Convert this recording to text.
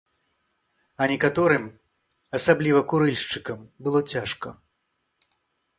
А некаторым, асабліва курыльшчыкам, было цяжка.